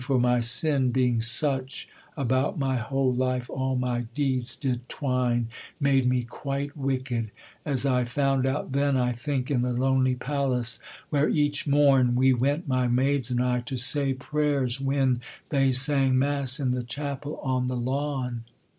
for my sin being such, About my whole life, all my deeds did twine, Made me quite wicked; as I found out then, I think; in the lonely palace where each morn We went, my maids and I, to say prayers when They sang mass in the chapel on the lawn.